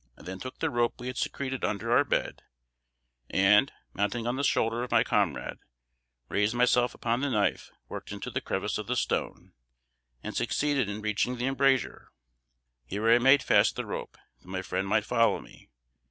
I then took the rope we had secreted under our bed, and, mounting on the shoulder of my comrade, raised myself upon the knife worked into the crevice of the stone, and succeeded in reaching the embrasure. Here I made fast the rope, that my friend might follow me.